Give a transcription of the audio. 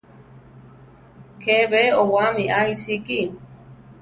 ¿Ke be owáami a iʼsíki?